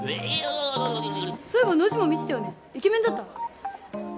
そういえばノジも見てたよねイケメンだった？